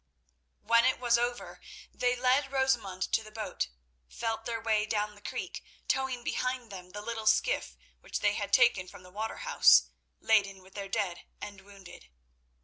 When it was over they led Rosamund to the boat, felt their way down the creek, towing behind them the little skiff which they had taken from the water house—laden with their dead and wounded.